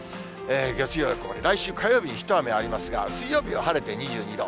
月曜は曇り、来週火曜日に一雨ありますが、水曜日は晴れて２２度。